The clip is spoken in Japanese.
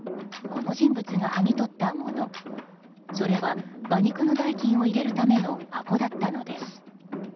この人物がはぎ取ったものそれは馬肉の代金を入れるための箱だったのです。